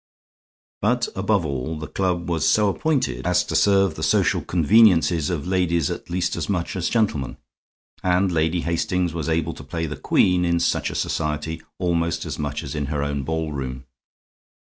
But, above all, the club was so appointed as to serve the social conveniences of ladies at least as much as gentlemen, and Lady Hastings was able to play the queen in such a society almost as much as in her own ballroom.